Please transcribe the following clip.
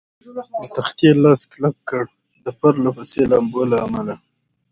پر تختې لاس کلک کړ، د پرله پسې لامبو له امله.